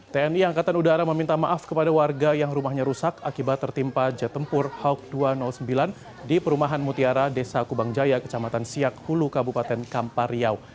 tni angkatan udara meminta maaf kepada warga yang rumahnya rusak akibat tertimpa jet tempur hawk dua ratus sembilan di perumahan mutiara desa kubang jaya kecamatan siak hulu kabupaten kampar riau